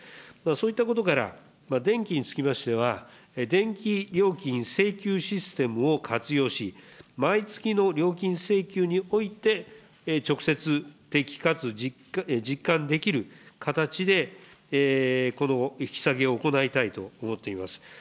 そういったことから、電気につきましては、電気料金請求システムを活用し、毎月の料金請求において、直接、実感できる形でこの引き下げを行いたいと思っています。